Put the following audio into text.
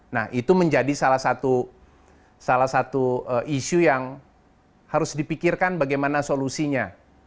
nah itu menjadi salah satu isu yang harus dipikirkan bagaimana solusinya